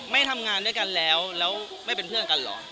ไม่ทำงานด้วยกันแล้วแล้วไม่เป็นเพื่อนกันเหรอ